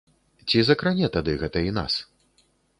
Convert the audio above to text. Ці закране тады гэта і нас?